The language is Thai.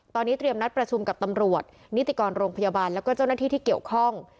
ตอนนี้เตรียมนัดประชุมกับตำรวจนิติกรโรงพยาบาลแล้วก็เจ้าหน้าที่ที่เกี่ยวข้อง